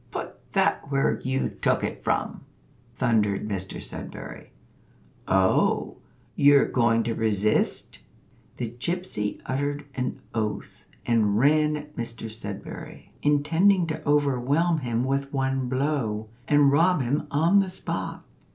"Put that where you took it from!" thundered Mr Sudberry. "Oh! you're going to resist." The gypsy uttered an oath, and ran at Mr Sudberry, intending to overwhelm him with one blow, and rob him on the spot.